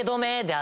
あ！